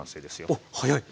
おっ早い！